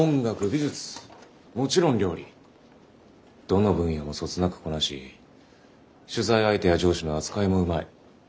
どの分野もそつなくこなし取材相手や上司の扱いもうまい。